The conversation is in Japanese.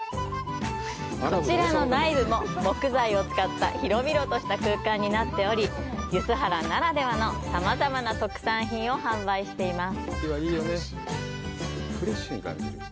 こちらの内部も木材を使った広々とした空間になっており、梼原ならではのさまざまな特産品を販売しています。